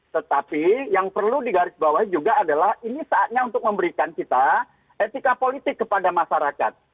tetapi yang perlu digarisbawahi juga adalah ini saatnya untuk memberikan kita etika politik kepada masyarakat